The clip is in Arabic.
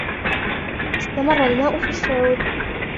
استمرّ الماء في الصّعود.